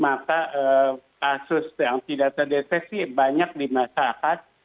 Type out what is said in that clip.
maka kasus yang tidak terdeteksi banyak di masyarakat